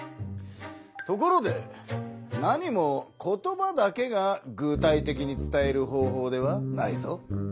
ところでなにも言葉だけが具体的に伝える方ほうではないぞ。